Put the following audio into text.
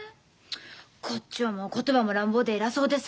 こっちはもう言葉も乱暴で偉そうでさ！